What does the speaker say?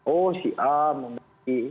oh si a memiliki